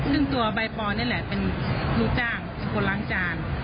ซึ่งตัวใบปอนนี่แหละเป็นลูกจ้างคนล้างจาน